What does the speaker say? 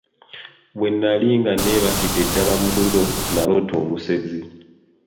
Bwe nnali nga neebakidde ddala mu ttulo, naloota omusezi.